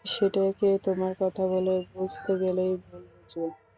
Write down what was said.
সেটাকে তোমার কথা বলে বুঝতে গেলেই ভুল বুঝবে।